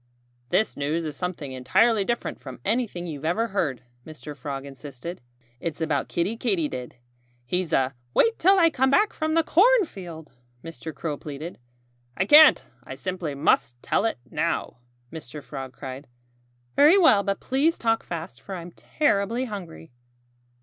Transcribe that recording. "This news is something entirely different from anything you've ever heard," Mr. Frog insisted. "It's about Kiddie Katydid. He's a " "Wait till I come back from the cornfield!" Mr. Crow pleaded. "I can't! I simply must tell it now!" Mr. Frog cried. "Very well! But please talk fast; for I'm terribly hungry."